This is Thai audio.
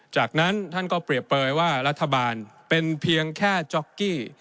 จากนั้นท่านก็เปรียบเปลยว่ารัฐบาลเป็นเพียงแค่จ๊อกกี้